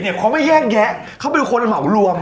เขาไม่แยกแยะเขาเป็นคนเหมารวม